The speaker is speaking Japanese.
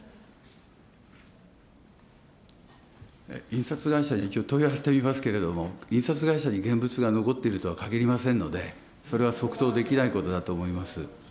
印刷会社には一応問い合わせてみますけれども、印刷会社に現物が残っていると限りませんので、それは即答できないことだと思い